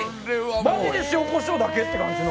マジで塩こしょうだけ？って感じの。